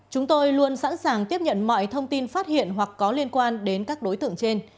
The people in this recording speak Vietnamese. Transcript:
chúng tôi luôn sẵn sàng tiếp nhận mọi thông tin phát hiện hoặc có liên quan đến các đối tượng trên